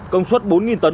công suất bốn tấn